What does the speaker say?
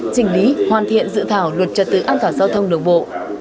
chỉnh lý hoàn thiện dự thảo luật trật tự an toàn giao thông đường bộ